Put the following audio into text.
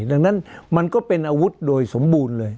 ดังนั้นมันก็เป็นอาวุธโดยสมบูรณ์เลย